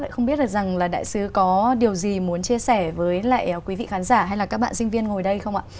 lại không biết được rằng là đại sứ có điều gì muốn chia sẻ với lại quý vị khán giả hay là các bạn sinh viên ngồi đây không ạ